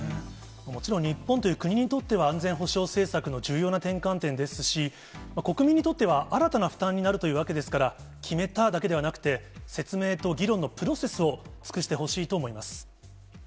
もちろん日本という国にとっては、安全保障政策の重要な転換点ですし、国民にとっては、新たな負担になるというわけですから、決めただけではなくて、説明と議論のプロセスを尽くしてほしいと思います。